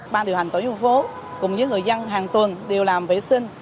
ban điều hành tổ dân phố cùng với người dân hàng tuần đều làm vệ sinh